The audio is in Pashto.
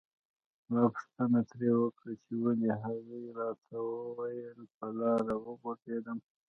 ما پوښتنه ترې وکړه چې ولې هغې راته وویل په لاره وغورځیدم.